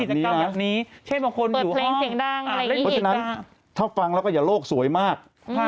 เพราะฉะนั้นถ้าฟังแล้วก็อย่าโลกสวยมาก